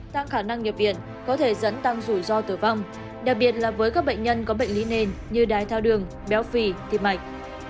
tăng khả năng nhập viện có thể dẫn tăng rủi ro tử vong đặc biệt là với các bệnh nhân có bệnh lý nền như đái thao đường béo phì tim mạch